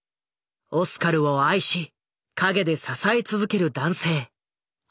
オスカルを愛し陰で支え続ける男性アンドレだ。